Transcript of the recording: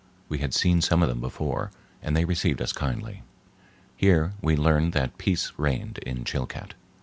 We had seen some of them before, and they received us kindly. Here we learned that peace reigned in Chilcat.